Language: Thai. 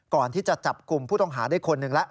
ก่อนที่จะจับกลุ่มผู้ต้องหาได้คนหนึ่งแล้ว